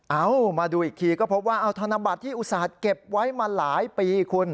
เอามาดูอีกทีก็พบว่าเอาธนบัตรที่อุตส่าห์เก็บไว้มาหลายปีคุณ